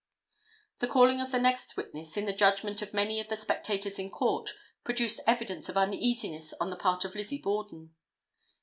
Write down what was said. The calling of the next witness, in the judgment of many of the spectators in Court, produced evidence of uneasiness on the part of Lizzie Borden.